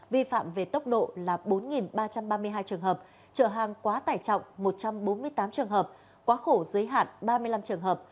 vi phạm về tốc độ là bốn ba trăm ba mươi hai trường hợp trợ hàng quá tải trọng một trăm bốn mươi tám trường hợp quá khổ giới hạn ba mươi năm trường hợp